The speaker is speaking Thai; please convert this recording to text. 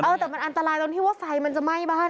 เออแต่มันอันตรายตรงที่ว่าไฟมันจะไหม้บ้าน